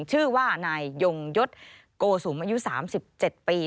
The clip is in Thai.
ชื่อว่านายยงยศโกสุมอายุ๓๗ปี